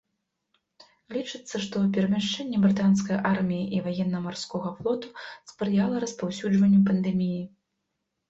Лічыцца, што перамяшчэнне брытанскай арміі і ваенна-марскога флоту спрыяла распаўсюджванню пандэміі.